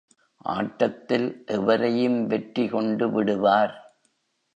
ஆட்டத்தில் எவரையும் வெற்றி கொண்டு விடுவார்.